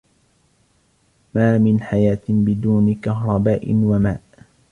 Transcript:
ما من حياة بدون كهرباء و ماء.